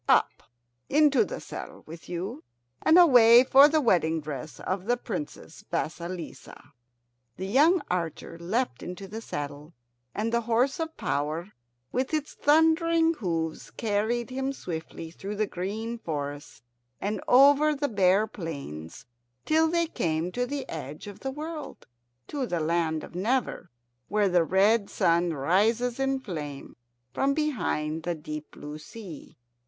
Up! into the saddle with you, and away for the wedding dress of the Princess Vasilissa!" The young archer leapt into the saddle, and the horse of power, with his thundering hoofs, carried him swiftly through the green forests and over the bare plains, till they came to the edge of the world, to the land of Never, where the red sun rises in flame from behind the deep blue sea.